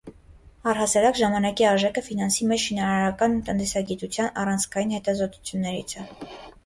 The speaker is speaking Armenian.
Առհասարակ ժամանակի արժեքը ֆինանսի մեջ շինարարական տնտեսագիտության առանցքային հետազոտություններից է։